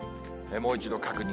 もう一度確認。